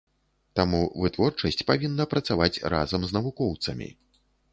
Таму вытворчасць павінна працаваць разам з навукоўцамі.